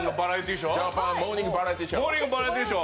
モーニング・バラエティーショー。